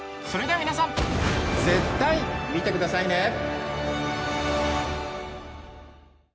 それでは皆さん絶対見てくださいね！